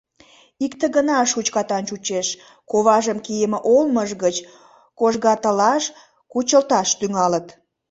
Икте гына шучкатан чучеш: коважым кийыме олмыж гыч кожгатылаш, кучылташ тӱҥалыт...